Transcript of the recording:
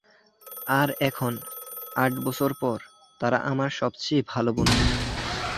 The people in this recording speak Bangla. আর এখন, আট বছর পর, তারা আমার সবচেয়ে ভালো বন্ধু।